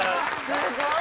すごい！